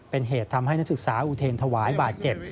เป็นเหตุทำให้นักศึกษาอุเทรนถวายบาดเจ็บ